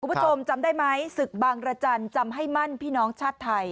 คุณผู้ชมจำได้ไหมศึกบางรจันทร์จำให้มั่นพี่น้องชาติไทย